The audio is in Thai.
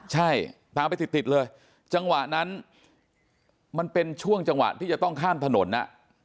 ใช่ตามไปติดติดเลยจังหวะนั้นมันเป็นช่วงจังหวะที่จะต้องข้ามถนนอ่ะ